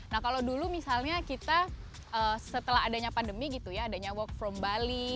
nah kalau dulu misalnya kita setelah adanya pandemi gitu ya adanya work from bali